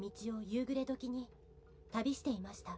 「夕暮れ時に旅していました」